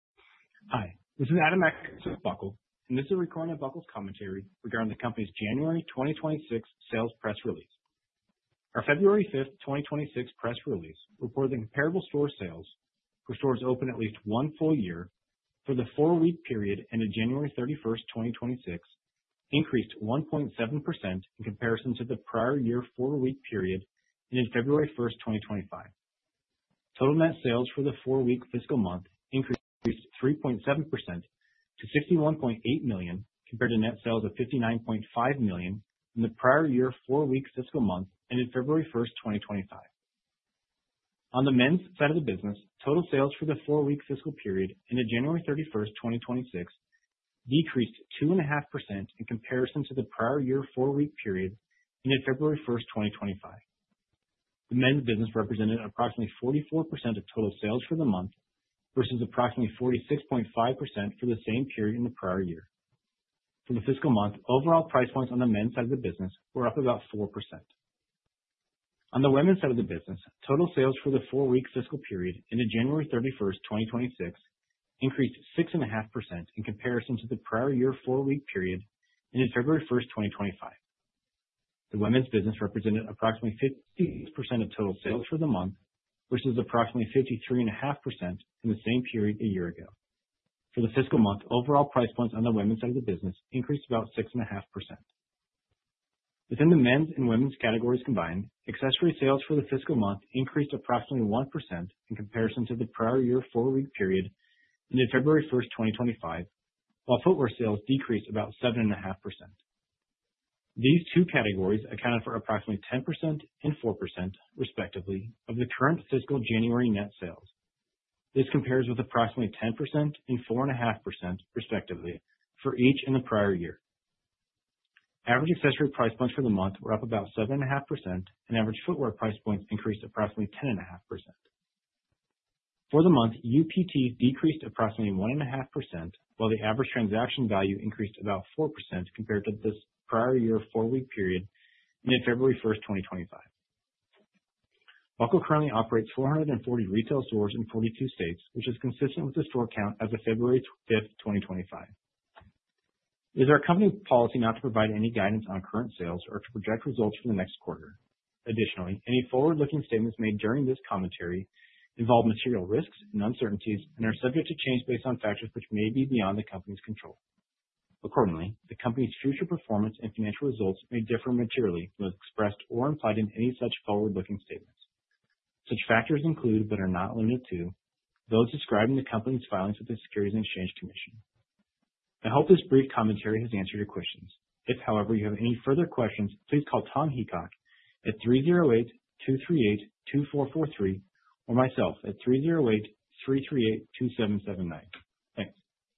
Hi, this is Adam Akerson with Buckle, and this is a recording of Buckle's Commentary regarding the Company's January 2026 Sales Press Release. Our February 5th, 2026 press release reported comparable store sales for stores open at least one full year for the four-week period ending January 31st, 2026, increased 1.7% in comparison to the prior year four-week period, ending February 1st, 2025. Total net sales for the four-week fiscal month increased 3.7% to $61.8 million, compared to net sales of $59.5 million in the prior year four-week fiscal month, ending February 1st, 2025. On the men's side of the business, total sales for the four-week fiscal period ending January 31, 2026, decreased 2.5% in comparison to the prior year four-week period, ending February 1st, 2025. The men's business represented approximately 44% of total sales for the month, versus approximately 46.5% for the same period in the prior year. For the fiscal month, overall price points on the men's side of the business were up about 4%. On the women's side of the business, total sales for the four-week fiscal period ending January 31st, 2026, increased 6.5% in comparison to the prior year four-week period, ending February 1st, 2025. The women's business represented approximately 56% of total sales for the month, versus approximately 53.5% in the same period a year ago. For the fiscal month, overall price points on the women's side of the business increased about 6.5%. Within the men's and women's categories combined, accessory sales for the fiscal month increased approximately 1% in comparison to the prior year four-week period, ending February 1st, 2025, while footwear sales decreased about 7.5%. These two categories accounted for approximately 10% and 4%, respectively, of the current fiscal January net sales. This compares with approximately 10% and 4.5%, respectively, for each in the prior year. Average accessory price points for the month were up about 7.5%, and average footwear price points increased approximately 10.5%. For the month, UPT decreased approximately 1.5%, while the average transaction value increased about 4% compared to this prior year four-week period, ending February 1st, 2025. Buckle currently operates 440 retail stores in 42 states, which is consistent with the store count as of February 5th, 2025. It is our company policy not to provide any guidance on current sales or to project results for the next quarter. Additionally, any forward-looking statements made during this commentary involve material risks and uncertainties and are subject to change based on factors which may be beyond the company's control. Accordingly, the company's future performance and financial results may differ materially from those expressed or implied in any such forward-looking statements. Such factors include, but are not limited to, those described in the company's filings with the Securities and Exchange Commission. I hope this brief commentary has answered your questions. If, however, you have any further questions, please call Tom Heacock at 308-238-2443 or myself at 308-338-2779. Thanks!